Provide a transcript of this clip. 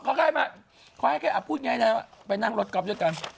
ขอให้แค่อับพูดไงนะไปนั่งรถกรอบด้วยกัน